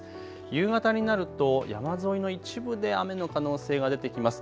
夕方になると山沿いの一部で雨の可能性が出てきます。